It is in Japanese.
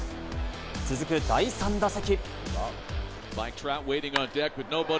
続く第３打席。